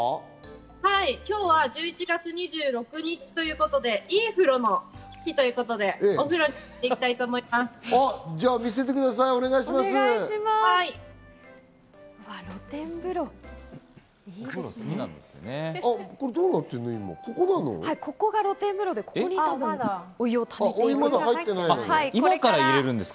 はい、今日は１１月２６日ということで、「いい風呂の日」ということで、お風呂に入れたいと思います。